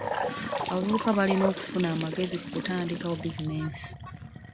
Abavubuka balina okufuna amagezi ku kutandikawo bizinensi.